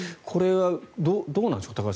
これはどうなんでしょう